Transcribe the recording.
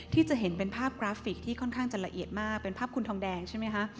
ที่จะเห็นเป็นภาพกราฟิกที่ค่อนข้างจะละเอียดมากเป็นภาพคุณทองแดงใช่ไหมคะ